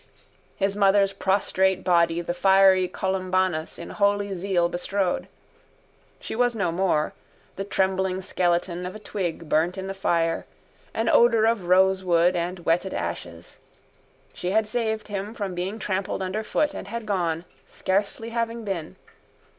His mother's prostrate body the fiery Columbanus in holy zeal bestrode. She was no more: the trembling skeleton of a twig burnt in the fire, an odour of rosewood and wetted ashes. She had saved him from being trampled underfoot and had gone, scarcely having been.